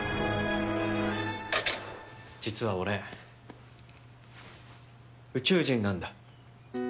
実は俺、宇宙人なんだ。